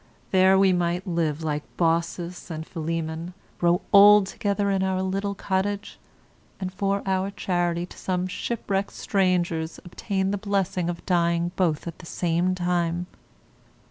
There we might live like Baucis and Philemon, grow old together in our little cottage, and for our charity to some shipwrecked strangers obtain the blessing of dying both at the same time.